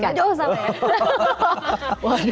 jauh jauh sampe ya